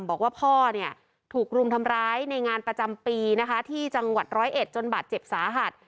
บอกว่าพ่อเนี่ยถูกรุมทำร้ายในงานประจำปีนะคะที่จังหวัดร้อยเอ็ดจนบาดเจ็บสาหัส